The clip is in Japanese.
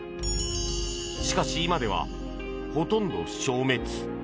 しかし、今ではほとんど消滅。